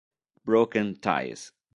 Broken Ties